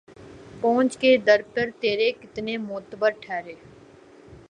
پہنچ کے در پہ ترے کتنے معتبر ٹھہرے